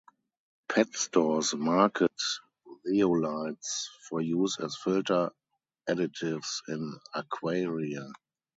Pet stores market zeolites for use as filter additives in aquaria.